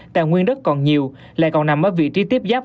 tài nguyên đất còn nhiều lại còn nằm ở vị trí tiếp giáp